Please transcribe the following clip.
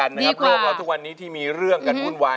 ด้านล่างเขาก็มีความรักให้กันนั่งหน้าตาชื่นบานมากเลยนะคะ